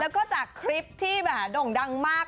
แล้วก็จากคลิปที่แบบด่งดังมาก